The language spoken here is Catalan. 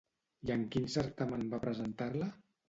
I en quin certamen va presentar-la?